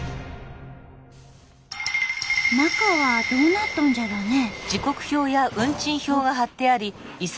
中はどうなっとんじゃろね？